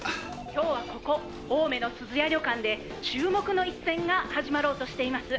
「今日はここ青梅の寿々屋旅館で注目の一戦が始まろうとしています」